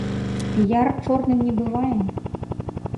Піяр чорным не бывае?